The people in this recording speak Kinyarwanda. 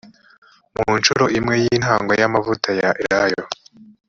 mu ncuro imwe y intango y amavuta ya elayo